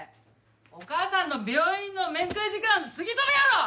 お義母さんの病院の面会時間過ぎとるやろ！